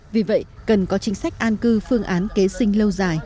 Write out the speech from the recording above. vì vậy cần có chính sách an cư phương án kế sinh lâu dài